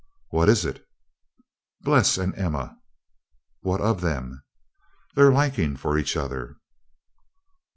"What is it?" "Bles and Emma." "What of them?" "Their liking for each other."